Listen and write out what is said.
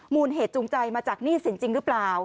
มูลเหตุจูงใจมาจากหนี้สินจริงหรือเปล่า